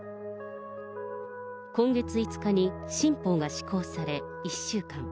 今月５日に新法が施行され、１週間。